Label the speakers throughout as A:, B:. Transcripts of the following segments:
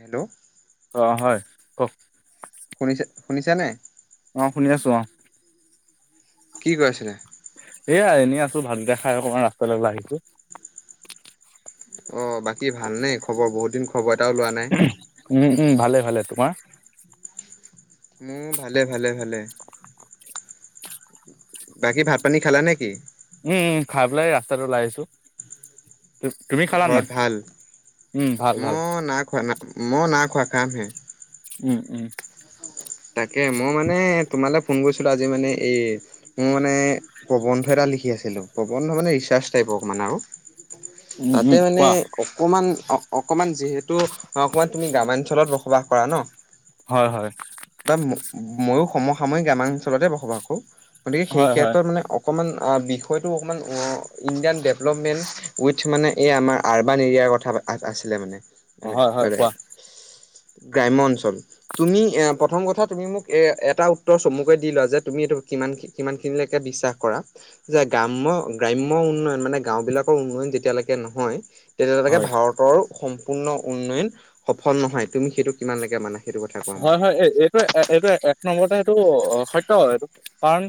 A: Hello.
B: অ', হয় কওঁক।
A: শুনিছে, শুনিছা নে?
B: অ', শুনি আছো অ'।
A: কি কৈ আছিলে?
B: এয়া এনেই আছো ভাতকেইটা খাই অকমান ৰাস্তালৈ ওলাই আহিছো।
A: অ', বাকী ভালনে খবৰ বহুত দিন খবৰ এটাও লোৱা নাই।
B: উম উম ভালে [inaudible]
A: মোৰ ভালে, ভালে, ভালে। বাকী ভাত পানী খালা নে কি?
B: উম, উম, খাই পেলাই ৰাস্তাটো ওলাই আহিছো। তুমি খালা
A: ঘৰত
B: নাই
A: ভাল
B: উম ভাল ভাল
A: মই নাখোৱা না মই নাখোৱা কামহে
B: উম, উম।
A: তাকে মই মানে তোমালৈ ফোন কৰিছিলো আজি মানে এই মোৰ মানে প্ৰবন্ধ এটা [unintelligible]
B: উম
A: তাতে
B: উম
A: মানে
B: কোৱা
A: অকমান অ', অকমান যিহেতু অকমান তুমি গ্ৰাম্যাঞ্চলত বসবাস কৰা ন'?
B: হয়, হয়।
A: বা ময়ো সমসামৰি গ্ৰাম্যাঞ্চলতে বসবাস কৰোঁ গতিকে সেই
B: হয় হয়
A: ক্ষেত্ৰত মানে অকণমান বিষয়টো অকণমান ইণ্ডিয়ান ডেভেলপমেণ্ট উইথ মানে এই আমাৰ আৰ্বান এৰিয়াৰ টা কথা আছিলে মানে। ম
B: হয় হয়
A: মানে
B: কোৱা
A: গ্ৰাম্যাঞ্চল তুমি প্ৰথম কথা তুমি মোক এটা উত্তৰ চমুকৈ দি লোৱা যে তুমি এইটো কিমান কিমানখিনিলৈকে বিশ্বাস কৰা। যে গ্ৰাম্যয় গ্ৰাম্য উন্নয়ন মানে গাও বিলাকৰ উন্নয়ন যেতিয়ালৈকে নহয়, তেতিয়ালৈকে
B: হয়
A: ভাৰতৰ সম্পূৰ্ণ উন্নয়ন সফল নহয় তুমি সেইটো কিমানলৈকে মানা। সেইটো কথা কোৱা
B: হয়
A: মোক।
B: হয় এই এইটো এক এইটো এক নম্বৰতে এইটো সত্য কাৰণ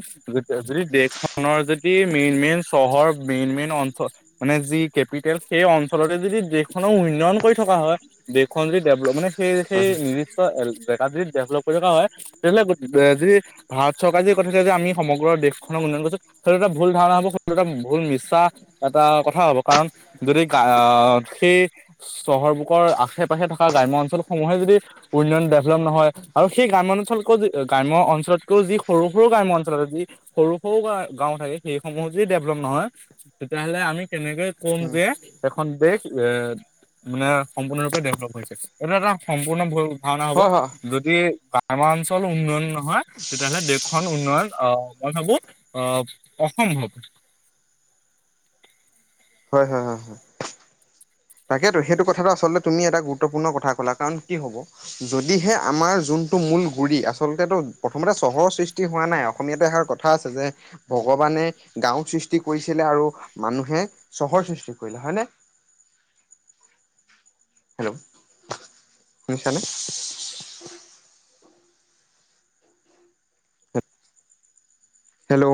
B: যদি দেশ খনৰ যদি মেইন মেইন চহৰ মেইন মেইন অঞ্চল মানে যি কেপিটেল সেই অঞ্চলতে যদি দেশ খণ উন্নয়ন কৰি থকা হয় দেশখন যদি ডেভলপ মানে সেই সেই
A: হয় হয়
B: ই বে যদি ডেভেলপ কৰি ৰখা হয় তেনেহ'লে যি ভাৰত চৰকাৰ যি কথা যে আমি সমগ্ৰ দেশ খক উন্নয়ন কৰিছো সেইটো এটা ভুল ধাৰণা হ'ব সেইটো এটা ভুল মিছা এটা কথা হব কাৰণ যদি আহ সেই চহৰ বুকৰ আশে পাশে থকা গ্ৰাম্য অঞ্চলসমূহে যদি উন্নয়ন দেভলপ নহয় আৰু হেই গ্ৰাম্য অঞ্চল কৈ গ্ৰাম্য অঞ্চলতকৈও যি সৰু সৰু গ্ৰাম্য অঞ্চল আছে সৰু সৰু গা গাও থাকে সেইসমূহ যদি ডেভলপ নহয় তেতিয়াহ'লে আমি কেনেকৈ কম যে এখন দেশ এ মানে সম্পূৰ্ণৰূপে ডেভলপ হৈছে এইটো এটা সম্পূৰ্ণ ভ ভাওনা হব
A: হয় হয়
B: যদি আমাৰ অঞ্চল উন্নয়ন নহয় তেতিয়াহ'লে দেশখন উন্নয়ন আহ মই ভাবো আহ অসম হ'ব।
A: হয় হয় হয়। তাকেত সেইটো কথাটো আচলতে তুমি এটা গুৰুত্বপূৰ্ণ কথা ক'লা কাৰণ কি হব যদিহে আমাৰ যোন মূল গুৰি আচলতেটো প্ৰথমতে চহৰৰ সৃষ্টি হোৱা নাই অসমীয়াত এাৰ কথা আছে যে ভগৱান ভৱানে গাঁও সৃষ্টি কৰিছিলে আৰু মানুহে চহৰ সৃষ্টি কৰিলে হয়নে। হেল্ল'। শুনিছানে? হেল্ল'।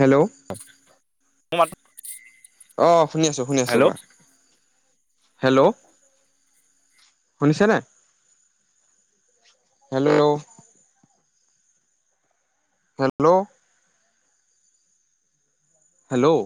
A: হেল্ল'।
B: মু মাত
A: অ', শুনি আছো শুনি আছো কোৱা। হেল্ল', শুনিছেনে? হেল্ল'। হেল্ল'। হেল্ল'।